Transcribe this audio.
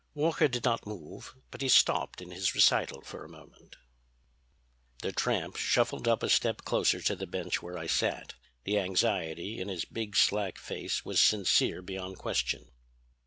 Walker did not move, but he stopped in his recital for a moment. "The tramp shuffled up a step closer to the bench where I sat. The anxiety in his big slack face was sincere beyond question.